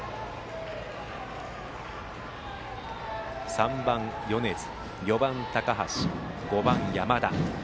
３番、米津４番、高橋５番、山田。